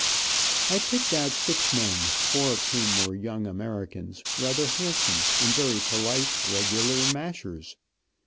I picked out six men, four of whom were young Americans, rather handsome, and very polite, regular mashers.